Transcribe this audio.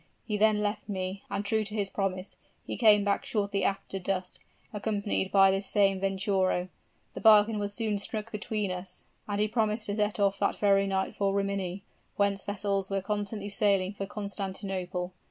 He then left me, and true to his promise, he came back shortly after dusk, accompanied by this same Venturo. The bargain was soon struck between us, and he promised to set off that very night for Rimini, whence vessels were constantly sailing for Constantinople.